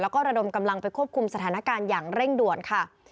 แล้วก็ระดมกำลังไปควบคุมสถานการณ์อย่างเร่งด่วนค่ะ